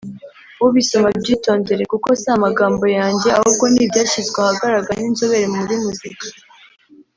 ubisoma abyitondere kuko si amagambo yanjye ahubwo n’ibyashyizwe ahagaragara n’inzobere muri muzika